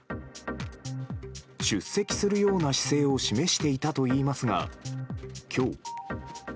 出席するような姿勢を示していたといいますが、きょう。